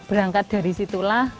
berangkat dari situlah